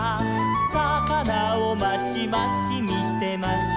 「さかなをまちまちみてました」